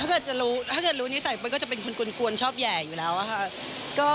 ถ้าเจอรู้นิสัยเบ้ยก็จะเป็นคนกลุ่นชอบแหย่อยู่แล้วนะคะ